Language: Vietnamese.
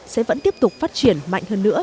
sẽ vẫn tiếp tục phát triển mạnh hơn nữa